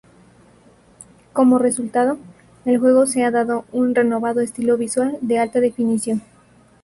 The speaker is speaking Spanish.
Como resultado, el juego se ha dado un renovado estilo visual de alta definición.